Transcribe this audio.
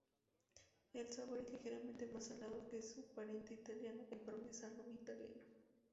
El sabor es ligeramente más salado que su pariente italiano, el parmesano italiano.